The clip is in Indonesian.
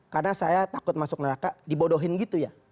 karena saya takut masuk neraka dibodohin gitu ya